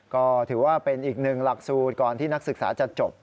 ก็ถือว่าเป็นอีกหนึ่งหลักสูตรก่อนที่นักศึกษาจะจบ